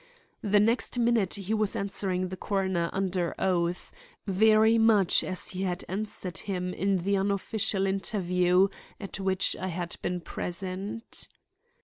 The next minute he was answering the coroner under oath, very much as he had answered him in the unofficial interview at which I had been present.